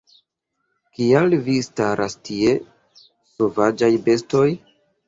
Kial vi staras tie, sovaĝaj bestoj?